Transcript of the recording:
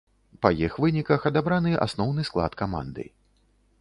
Па іх выніках адабраны асноўны склад каманды.